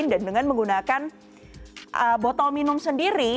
dan dengan menggunakan botol minum sendiri